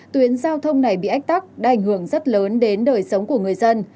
tuyến giao thông này bị ách tắc đã ảnh hưởng rất lớn đến đời sống của người dân